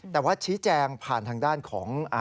แต่ว่าชี้แจงผ่านทางด้านของ